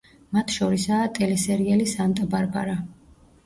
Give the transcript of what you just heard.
მათ შორისაა ტელესერიალი „სანტა-ბარბარა“.